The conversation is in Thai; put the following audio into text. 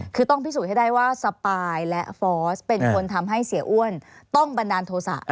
คือต้องพิสูจน์ให้ได้ว่าสปายและฟอสเป็นคนทำให้เสียอ้วนต้องบันดาลโทษะ